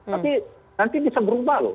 tapi nanti bisa berubah loh